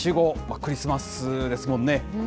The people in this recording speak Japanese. クリスマスですもんね。